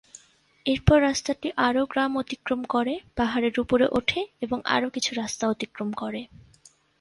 এরপর রাস্তাটি আরও গ্রাম অতিক্রম করে, পাহাড়ের উপরে ওঠে এবং আরো কিছু রাস্তা অতিক্রম করে।